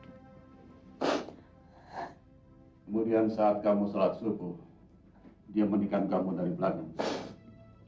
kemudian saat kamu sholat subuh dia menikah kamu dari belanda